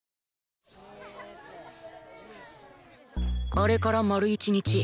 あれから丸１日